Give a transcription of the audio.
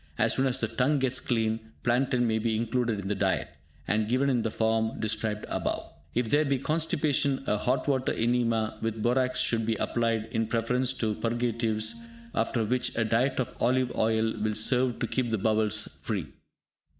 As soon as the tongue gets clean, plantain may be included in the diet, and given in the form described above. If there be constipation, a hot water enema with borax should be applied in preference to purgatives, after which a diet of olive oil will serve to keep the bowels free.